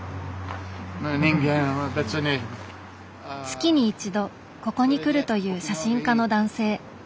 月に１度ここに来るという写真家の男性。